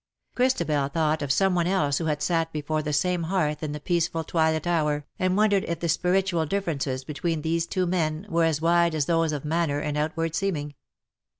''^ Christabel thought of some one else who had sat before the same hearth in the peaceful twilight hour, and wondered if the spiritual differences betweeft these two men were as wide as those of manner and outward seeming.